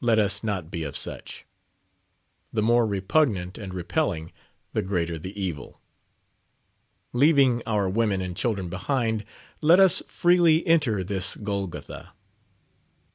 Let us not be of such. The more repugnant and repelling, the greater the evil. Leaving our women and children behind, let us freely enter this Golgotha.